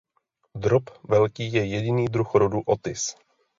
Drop velký je jediný druh rodu "Otis".